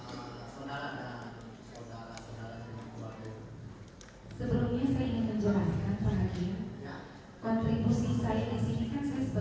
saya membayar dua belas orang keberanakan ini dengan membayar regular dengan benefit saya harus memposting dua kali di instagram saya